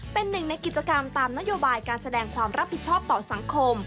เป็นหนึ่งในกิจกรรมตามนโยบายการแสดงความรับผิดชอบต่อสังคม